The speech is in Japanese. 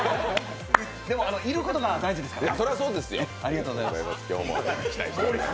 でも、いることが大事ですからね。